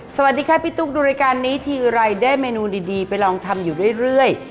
สวัสดีค่ะพี่ตุ๊กดูรายการนี้ทีไรได้เมนูดีไปลองทำอยู่เรื่อย